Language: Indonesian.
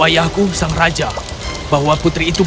ayahku sang raja pak bahwa putri itu